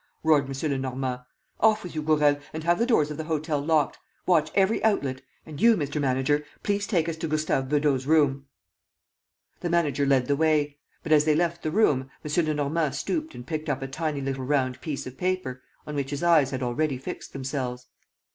roared M. Lenormand, "Off with you, Gourel, and have the doors of the hotel locked. ... Watch every outlet. ... And you, Mr. Manager, please take us to Gustave Beudot's room." The manager led the way. But as they left the room, M. Lenormand stooped and picked up a tiny little round piece of paper, on which his eyes had already fixed themselves.